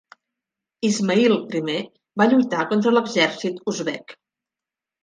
Ismail I va lluitar contra l'exèrcit uzbek.